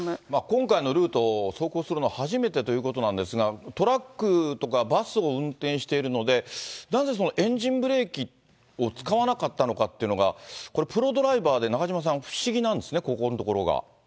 今回のルートを走行するのは初めてということなんですが、トラックとかバスを運転しているので、なぜエンジンブレーキを使わなかったのかっていうのが、これ、プロドライバーで、中島さん、不思議なんですね、ここんところが。